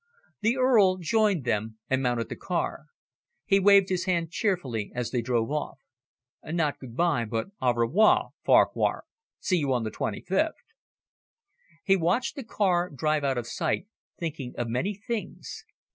The Earl joined them and mounted the car. He waved his hand cheerfully as they drove off. "Not good bye, but au revoir, Farquhar. See you on the twenty fifth." He watched the car drive out of sight, thinking of many things.